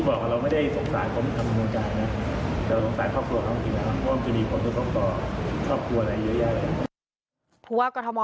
เพราะมีก็ต้องก้อนถึงข้อบครัวนั้นเยอะแยะแหละ